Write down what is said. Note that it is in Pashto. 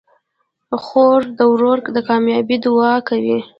خور د ورور د کامیابۍ دعا کوي.